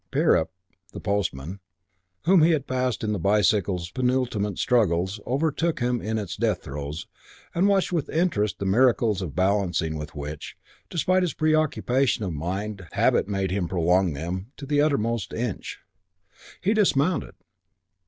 Pirrip, the postman, whom he had passed in the bicycle's penultimate struggles, overtook him in its death throes and watched with interest the miracles of balancing with which, despite his preoccupation of mind, habit made him prolong them to the uttermost inch. He dismounted.